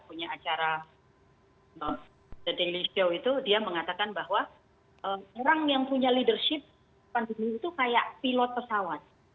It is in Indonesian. punya acara the daily show itu dia mengatakan bahwa orang yang punya leadership pandemi itu kayak pilot pesawat